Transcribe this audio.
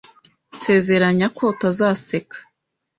Nsezeranya ko utazaseka.